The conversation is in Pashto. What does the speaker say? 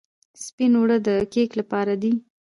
سپین اوړه د کیک لپاره دي.